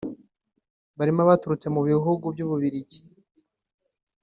Barimo abaturutse mu bihugu by’u Bubiligi